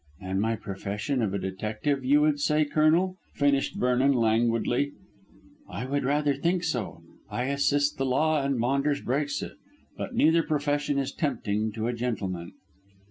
"Than my profession of a detective, you would say, Colonel," finished Vernon languidly. "I should rather think so. I assist the law, and Maunders breaks it. But neither profession is tempting to a gentleman."